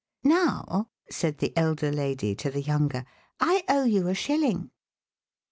"Now," said the elder lady to the younger, "I owe you a shilling."